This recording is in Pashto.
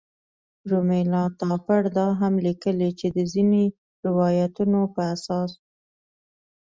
رومیلا تاپړ دا هم لیکلي چې د ځینو روایتونو په اساس.